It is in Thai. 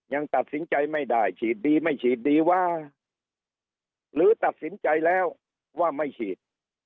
ยังตัดสินใจไม่ได้ฉีดดีไม่ฉีดดีวะหรือตัดสินใจแล้วว่าไม่ฉีด